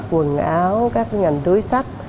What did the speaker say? quần áo các ngành túi sách